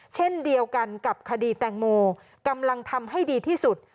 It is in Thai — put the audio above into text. เช่นเดียวกันกับคดีแตงโมกำลังทำให้ดีที่สุด